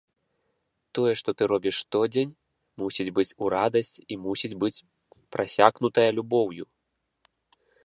Тое, што ты робіш штодзень, мусіць быць у радасць і мусіць быць прасякнутае любоўю.